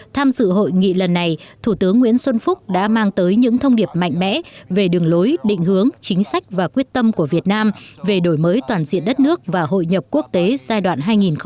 tham dự hội nghị lần này thủ tướng nguyễn xuân phúc đã mang tới những thông điệp mạnh mẽ về đường lối định hướng chính sách và quyết tâm của việt nam về đổi mới toàn diện đất nước và hội nhập quốc tế giai đoạn hai nghìn hai mươi một hai nghìn hai mươi năm